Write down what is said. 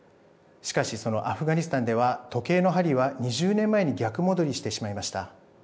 しかし、そのアフガニスタンでは時計の針は２０年前に逆戻りしてしまいました。